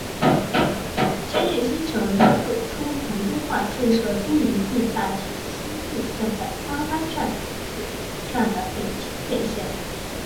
千叶新城最初曾规划建设都营地下铁新宿线本八幡站至此站的北千叶线。